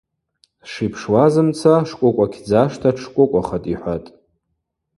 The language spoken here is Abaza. Сшипшуазымца, шкӏвокӏвакьдзашта дшкӏвокӏвахатӏ,— йхӏватӏ.